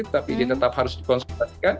tetapi ini tetap harus dikonsumsi